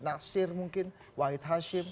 nasir mungkin wahid hashim